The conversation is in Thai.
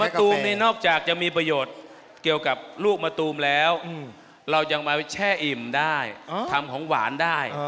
ตูมนี่นอกจากจะมีประโยชน์เกี่ยวกับลูกมะตูมแล้วเรายังมาแช่อิ่มได้ทำของหวานได้